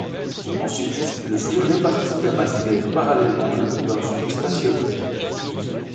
Ensuite, le flux répartit la masse d’air parallèlement le long d'un front stationnaire.